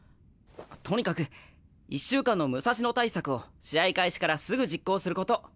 とにかく１週間の武蔵野対策を試合開始からすぐ実行すること。